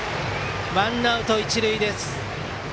ワンアウト一塁です。